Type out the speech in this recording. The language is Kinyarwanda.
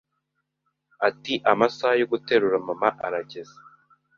ati amasaha yo guterura mama arageze